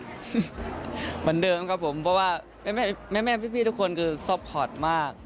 เหมือนเดิมครับผมเพราะว่าแม่พี่ทุกคนคือซัพพอร์ตมาก